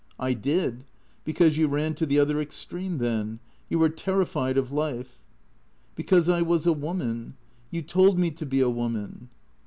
" I did. Because you ran to the other extreme then. You were terrified of life." " Because I was a woman. You told me to be a woman